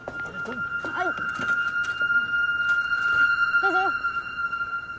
どうぞ。